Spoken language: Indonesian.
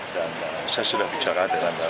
dan saya sudah bicara dengan